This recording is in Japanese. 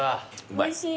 うまい。